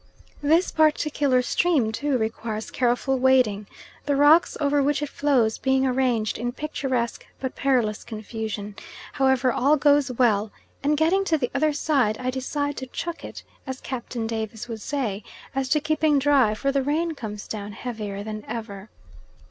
This particular stream, too, requires careful wading, the rocks over which it flows being arranged in picturesque, but perilous confusion; however all goes well, and getting to the other side I decide to "chuck it," as Captain Davies would say, as to keeping dry, for the rain comes down heavier than ever.